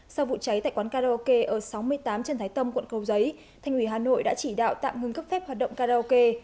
sau vụ cháy tại quán karaoke ở sáu mươi tám trần thái tông quận cầu giấy thành ủy hà nội đã chỉ đạo tạm ngừng cấp phép hoạt động karaoke